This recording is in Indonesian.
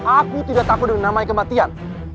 aku tidak takut dengan namanya kematian